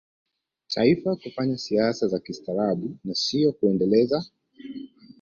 taifa Kufanya siasa za kistaarabu na siyo kuendeleza